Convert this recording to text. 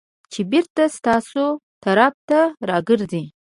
چې بېرته ستاسو طرف ته راګرځي .